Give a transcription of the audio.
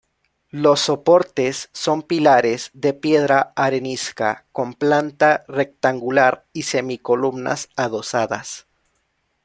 Los soportes son pilares de piedra arenisca, con planta rectangular y semicolumnas adosadas.